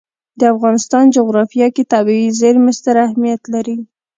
د افغانستان جغرافیه کې طبیعي زیرمې ستر اهمیت لري.